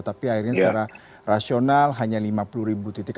tapi akhirnya secara rasional hanya lima puluh ribu titik